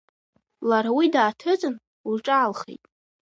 Лара уи дааҭыҵын, лҿаалхеит.